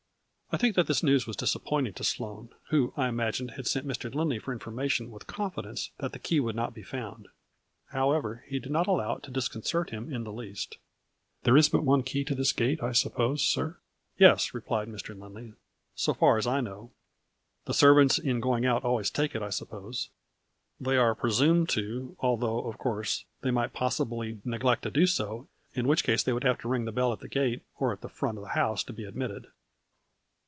I think that this news was disappointing to Sloane, who, I imagined, had sent Mr. Lindley for information with confidence that the key would not be found. However, he did not allow it to disconcert him in the least. " There is but one key to this gate, I suppose, sir ?" "Yes," replied Mr. Lindley, " so far as I know." " The servants in going out always take it, I suppose ?"" They are presumed to, although, of course, they might possibly neglect to do so, in which case they would have to ring a bell at the gate or the front of the house to be admitted."